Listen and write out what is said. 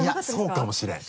そうかもしれん。